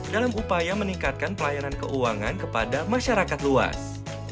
dalam upaya meningkatkan pelayanan keuangan kepada masyarakat luas